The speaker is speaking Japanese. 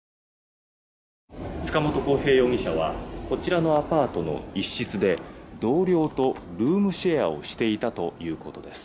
塚本晃平容疑者はこちらのアパートの一室で同僚とルームシェアをしていたということです。